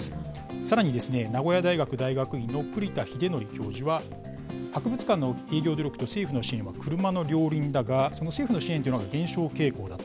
さらに、名古屋大学大学院の栗田秀法教授は、博物館の営業努力と、政府の支援は車の両輪だが、その政府の支援というのが減少傾向だと。